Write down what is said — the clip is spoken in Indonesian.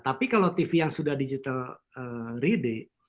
tapi kalau tv yang sudah digital ready